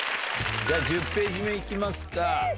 １０ページ目いきますか。